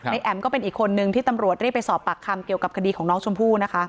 แอ๋มก็เป็นอีกคนนึงที่ตำรวจเรียกไปสอบปากคำเกี่ยวกับคดีของน้องชมพู่นะคะ